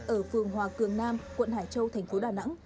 ở phường hòa cường nam quận hải châu thành phố đà nẵng